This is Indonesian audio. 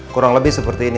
kurang lebih seperti ini